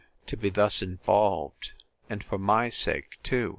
—to be thus involved, and for my sake too!